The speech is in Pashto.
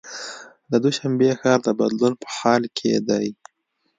د دوشنبې ښار د بدلون په حال کې دی.